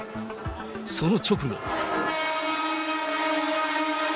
その直後。